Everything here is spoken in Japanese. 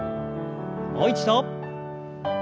もう一度。